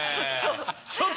ちょっと。